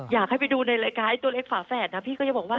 อยากให้ไปดูในรายการไอ้ตัวเล็กฝาแฝดนะพี่ก็จะบอกว่า